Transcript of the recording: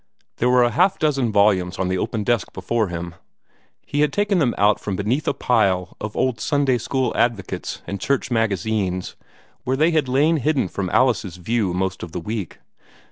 There were a half dozen volumes on the open desk before him. He had taken them out from beneath a pile of old "Sunday School Advocates" and church magazines, where they had lain hidden from Alice's view most of the week.